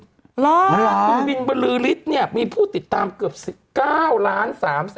หรอคุณบินบรือริสต์เนี่ยมีผู้ติดตามเกือบ๑๙๓๖๑๔๐๙คน